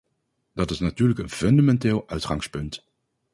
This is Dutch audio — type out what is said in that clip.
Dat is natuurlijk een fundamenteel uitgangspunt.